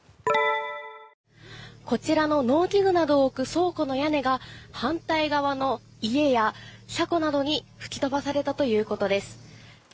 こちらの農機具などを置く倉庫の屋根が反対側の家や車庫などに吹き飛ばされたということです。